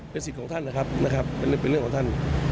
เป็นสิทธิ์ของท่านนะครับเป็นเรื่องของท่าน